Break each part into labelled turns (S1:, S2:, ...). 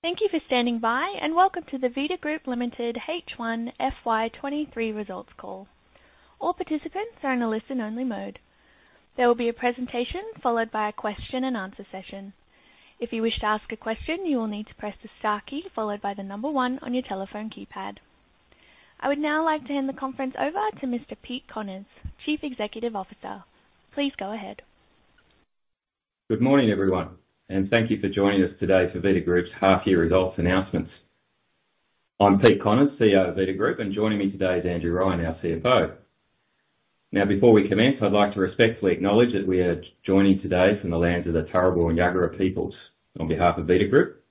S1: Thank you for standing by, welcome to the Vita Group Limited H1 FY 2023 results call. All participants are in a listen-only mode. There will be a presentation followed by a question and answer session. If you wish to ask a question, you will need to press the star key followed by one on your telephone keypad. I would now like to hand the conference over to Mr. Pete Connors, Chief Executive Officer. Please go ahead.
S2: Good morning, everyone, thank you for joining us today for Vita Group's half year results announcements. I'm Pete Connors, CEO of Vita Group, and joining me today is Andrew Ryan, our CFO. Now, before we commence, I'd like to respectfully acknowledge that we are joining today from the lands of the Turrbal and Jagera peoples. On behalf of Vita Group,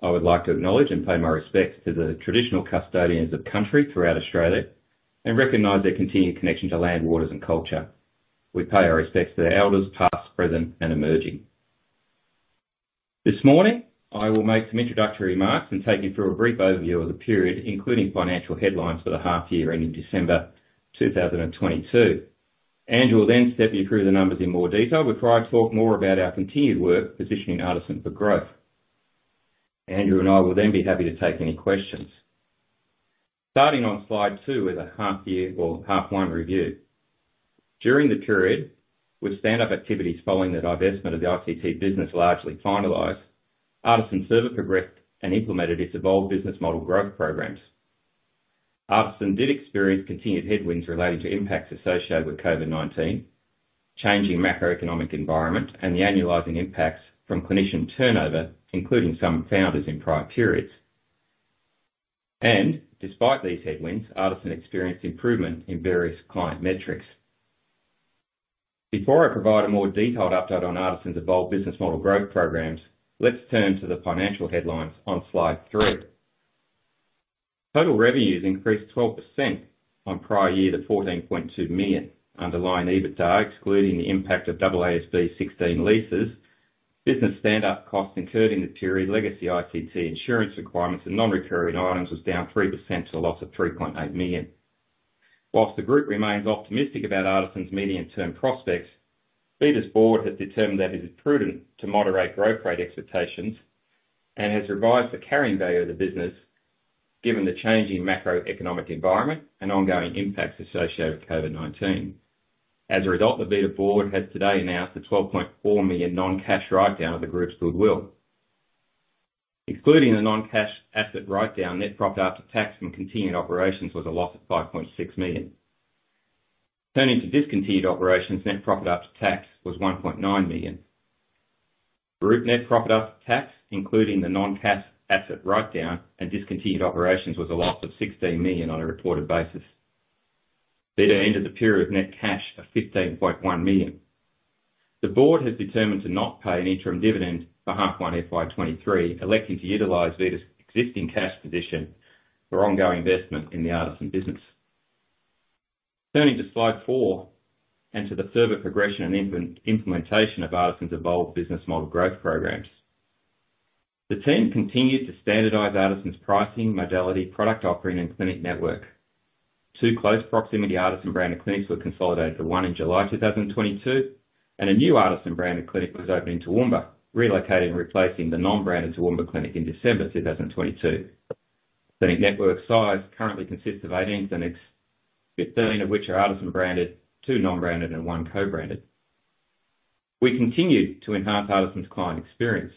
S2: I would like to acknowledge and pay my respects to the traditional custodians of the country throughout Australia and recognize their continued connection to land, waters and culture. We pay our respects to the elders, past, present, and emerging. This morning I will make some introductory remarks and take you through a brief overview of the period, including financial headlines, for the half year ending December 2022. Andrew will then step you through the numbers in more detail before I talk more about our continued work positioning Artisan for growth. Andrew and I will then be happy to take any questions. Starting on slide two with the half-year or half one review. During the period, with stand-up activities following the divestment of the ICT business largely finalized, Artisan server progressed and implemented its Evolve business model growth programs. Artisan did experience continued headwinds relating to impacts associated with COVID-19, changing macroeconomic environment, and the annualizing impacts from clinician turnover, including some founders in prior periods. Despite these headwinds, Artisan experienced improvement in various client metrics. Before I provide a more detailed update on Artisan's Evolve business model growth programs, let's turn to the financial headlines on slide three. Total revenues increased 12% on prior year to 14.2 million. Underlying EBITDA, excluding the impact of AASB 16 leases, business stand up costs incurred in the period, legacy ICT insurance requirements and non-recurring items was down 3% to a loss of 3.8 million. Whilst the group remains optimistic about Artisan's medium-term prospects, Vita's board has determined that it is prudent to moderate growth rate expectations and has revised the carrying value of the business given the changing macroeconomic environment and ongoing impacts associated with COVID-19. The Vita board has today announced an 12.4 million non-cash write-down of the group's goodwill. Excluding the non-cash asset write-down, net profit after tax from continued operations was a loss of 5.6 million. Turning to discontinued operations, net profit after tax was 1.9 million. Group net profit after tax, including the non-cash asset write-down and discontinued operations, was a loss of 16 million on a reported basis. Vita ended the period with net cash of 15.1 million. The board has determined to not pay an interim dividend for half one FY 2023, electing to utilize Vita's existing cash position for ongoing investment in the Artisan business. Turning to slide four and to the further progression and implementation of Artisan's Evolve business model growth programs. The team continued to standardize Artisan's pricing, modality, product offering, and clinic network. Two close proximity Artisan branded clinics were consolidated to one in July 2022, and a new Artisan branded clinic was opened in Toowoomba, relocating and replacing the non-branded Toowoomba clinic in December 2022. Clinic network size currently consists of 18 clinics, 15 of which are Artisan branded, two non-branded and one co-branded. We continued to enhance Artisan's Client Experience.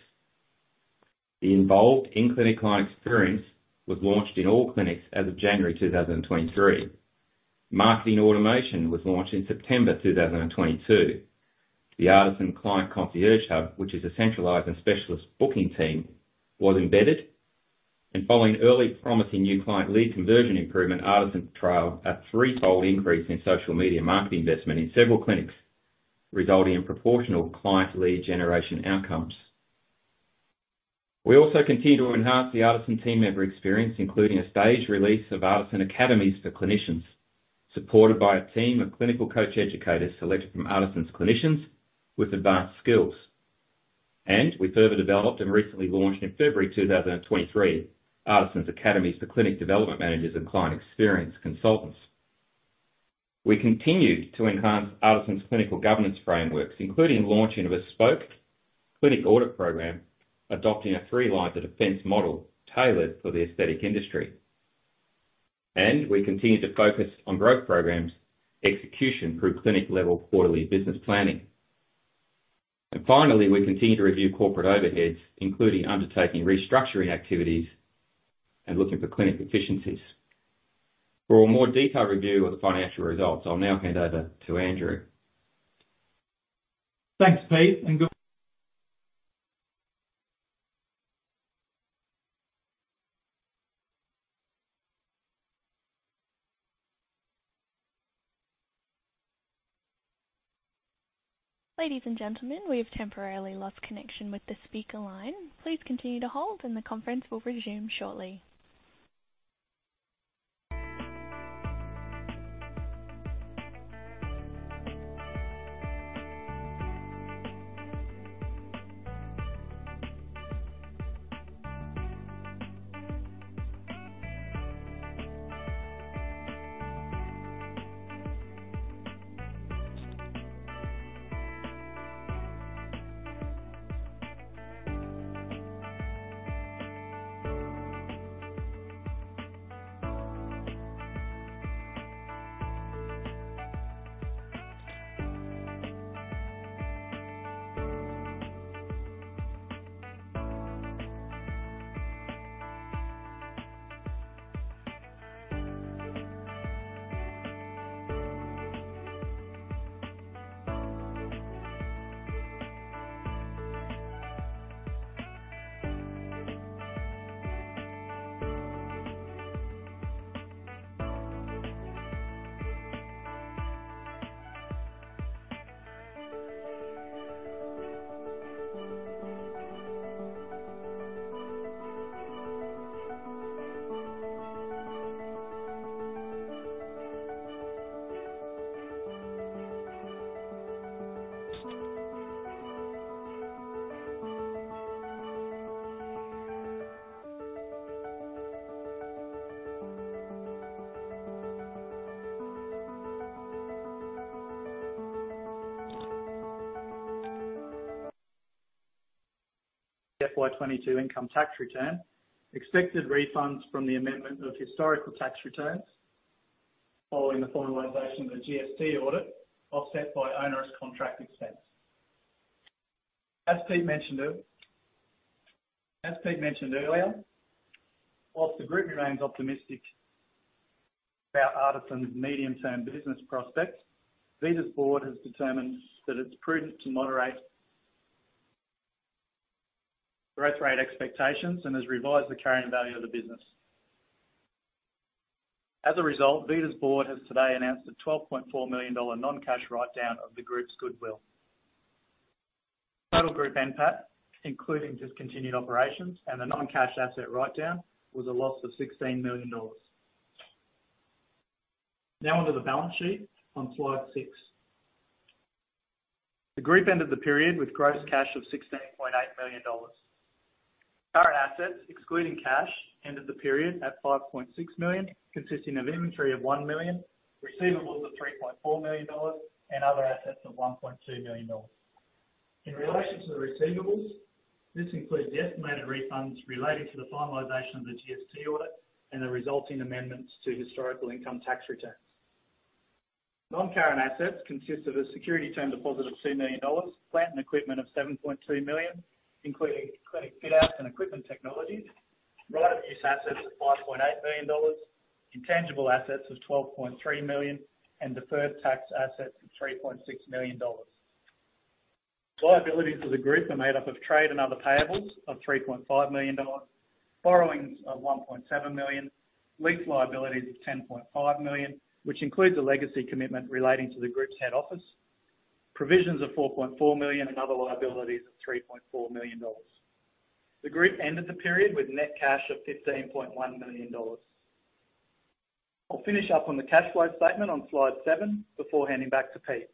S2: The involved in-clinic Client Experience was launched in all clinics as of January 2023. Marketing automation was launched in September 2022. The Artisan Client Concierge Hub, which is a centralized and specialist booking team, was embedded. Following early promising new client lead conversion improvement, Artisan trialed a three-fold increase in social media marketing investment in several clinics, resulting in proportional client lead generation outcomes. We also continued to enhance the Artisan team member experience, including a staged release of Artisan Academies for clinicians, supported by a team of clinical coach educators selected from Artisan's clinicians with advanced skills. We further developed and recently launched in February 2023, Artisan's Academies for Clinic Development Managers and Client Experience Consultants. We continued to enhance Artisan's clinical governance frameworks, including launching a bespoke clinic audit program, adopting a Three Lines of Defense model tailored for the aesthetic industry. We continued to focus on growth programs execution through clinic-level quarterly business planning. Finally, we continued to review corporate overheads, including undertaking restructuring activities and looking for clinic efficiencies. For a more detailed review of the financial results, I'll now hand over to Andrew.
S3: Thanks, Pete, and Ladies and gentlemen, we have temporarily lost connection with the speaker line. Please continue to hold and the conference will resume shortly. FY 2022 income tax return, expected refunds from the amendment of historical tax returns following the formalization of the GFC audit, offset by onerous contract expense. As Pete mentioned earlier, whilst the group remains optimistic about Artisan's medium-term business prospects, Vita's board has determined that it's prudent to moderate growth rate expectations and has revised the carrying value of the business. Vita's board has today announced an 12.4 million dollar non-cash write-down of the group's goodwill. Total group NPAT, including discontinued operations and the non-cash asset write-down, was a loss of 16 million dollars. On to the balance sheet on slide six. The group ended the period with gross cash of 16.8 million dollars. Current assets excluding cash ended the period at 5.6 million, consisting of inventory of 1 million, receivables of 3.4 million dollars, and other assets of 1.2 million dollars. In relation to the receivables, this includes the estimated refunds relating to the finalization of the GFC audit and the resulting amendments to historical income tax returns. Non-current assets consist of a security term deposit of 2 million dollars, plant and equipment of 7.2 million, including clinic fit-outs and equipment technologies, right-of-use assets of 5.8 million dollars, intangible assets of 12.3 million, and deferred tax assets of 3.6 million dollars. Liabilities of the group are made up of trade and other payables of 3.5 million dollars, borrowings of 1.7 million, lease liabilities of 10.5 million, which includes a legacy commitment relating to the group's head office, provisions of 4.4 million and other liabilities of 3.4 million dollars. The group ended the period with net cash of 15.1 million dollars. I'll finish up on the cash flow statement on slide seven before handing back to Pete.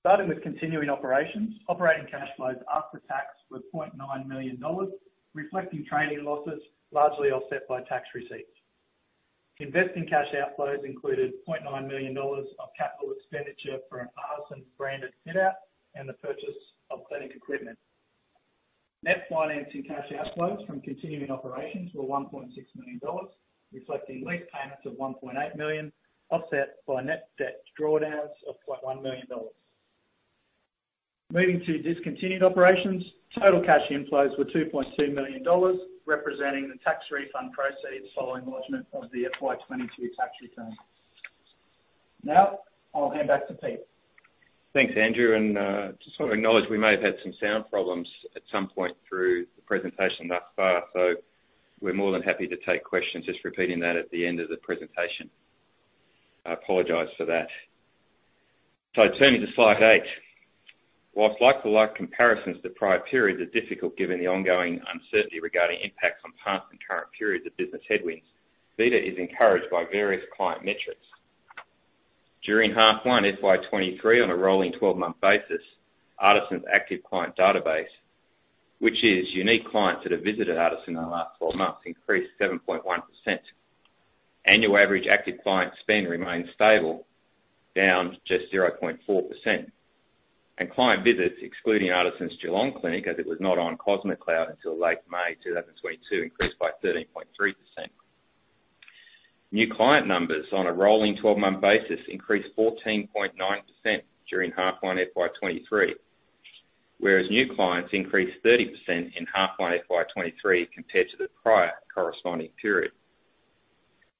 S3: Starting with continuing operations, operating cash flows after tax were 0.9 million dollars, reflecting trading losses largely offset by tax receipts. Investing cash outflows included 0.9 million dollars of capital expenditure for an Artisan-branded fit-out and the purchase of clinic equipment. Net financing cash outflows from continuing operations were 1.6 million dollars, reflecting lease payments of 1.8 million, offset by net debt drawdowns of 0.1 million dollars. Moving to discontinued operations, total cash inflows were 2.2 million dollars, representing the tax refund proceeds following lodgment of the FY 2022 tax return. I'll hand back to Pete.
S2: Thanks, Andrew. Just want to acknowledge we may have had some sound problems at some point through the presentation thus far, so we're more than happy to take questions, just repeating that at the end of the presentation. I apologize for that. Turning to slide eight. While like-to-like comparisons to prior periods are difficult given the ongoing uncertainty regarding impacts on past and current periods of business headwinds, Vita is encouraged by various client metrics. During half one FY 2023 on a rolling 12-month basis, Artisan's active client database, which is unique clients that have visited Artisan in the last four months, increased 7.1%. Annual average active client spend remains stable, down just 0.4%. Client visits excluding Artisan's Geelong clinic, as it was not on Cosmedcloud until late May 2022, increased by 13.3%. New client numbers on a rolling 12-month basis increased 14.9% during half one FY 2023, whereas new clients increased 30% in half one FY 2023 compared to the prior corresponding period.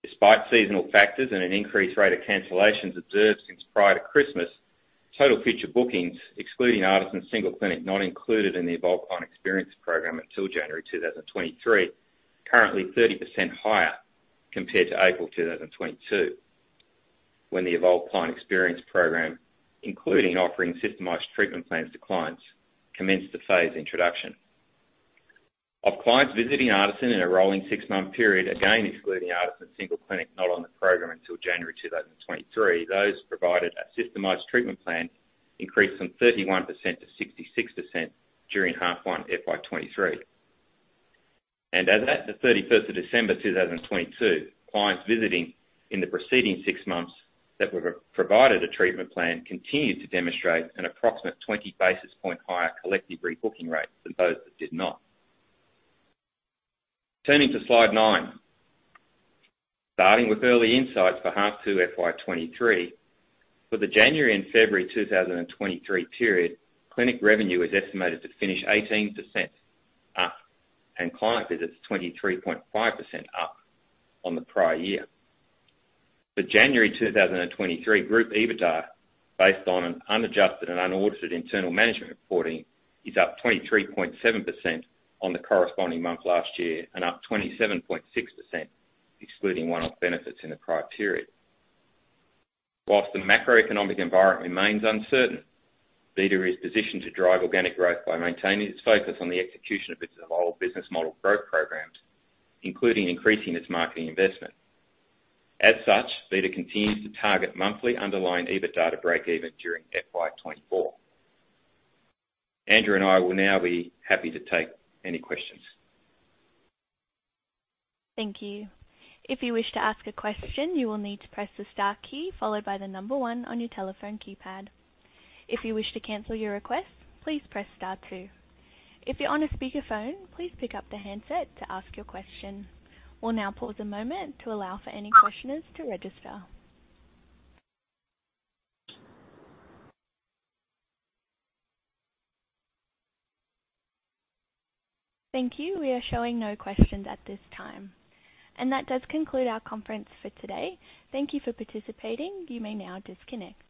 S2: Despite seasonal factors and an increased rate of cancellations observed since prior to Christmas, total future bookings excluding Artisan's single clinic not included in the Evolve Client Experience program until January 2023, currently 30% higher compared to April 2022, when the Evolve Client Experience program, including offering systemized treatment plans to clients, commenced the phased introduction. Of clients visiting Artisan in a rolling six-month period, again excluding Artisan's single clinic not on the program until January 2023, those provided a systemized treatment plan increased from 31% to 66% during half one FY 2023. As at the 31st of December 2022, clients visiting in the preceding six months that were provided a treatment plan continued to demonstrate an approximate 20 basis point higher collective rebooking rate than those that did not. Turning to slide nine. Starting with early insights for half two FY 2023, for the January and February 2023 period, clinic revenue is estimated to finish 18% up and client visits 23.5% up on the prior year. The January 2023 group EBITDA, based on an unadjusted and unaudited internal management reporting, is up 23.7% on the corresponding month last year and up 27.6% excluding one-off benefits in the prior period. Whilst the macroeconomic environment remains uncertain, Vita is positioned to drive organic growth by maintaining its focus on the execution of its Evolve business model growth programs, including increasing its marketing investment. As such, Vita continues to target monthly underlying EBITDA to break even during FY 2024. Andrew and I will now be happy to take any questions.
S1: Thank you. If you wish to ask a question, you will need to press the star key followed by the number one on your telephone keypad. If you wish to cancel your request, please press star two. If you're on a speakerphone, please pick up the handset to ask your question. We'll now pause a moment to allow for any questioners to register. Thank you. We are showing no questions at this time. That does conclude our conference for today. Thank you for participating. You may now disconnect.